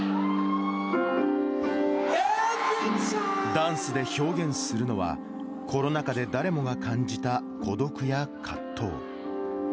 ダンスで表現するのは、コロナ禍で誰もが感じた孤独や葛藤。